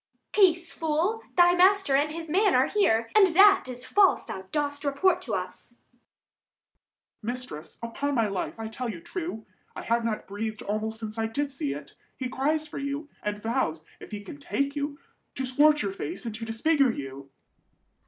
_ Peace, fool! thy master and his man are here; And that is false thou dost report to us. Serv. Mistress, upon my life, I tell you true; 180 I have not breathed almost since I did see it. He cries for you, and vows, if he can take you, To scorch your face and to disfigure you.